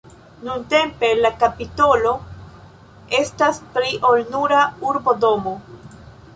Nuntempe, la Kapitolo estas pli ol nura urbodomo.